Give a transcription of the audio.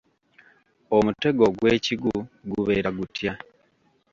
Omutego ogw'ekigu gubeera gutya?